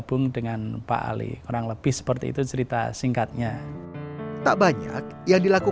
yang penyelidikan yang berterima kasih terhadap bapak saya untuk diterima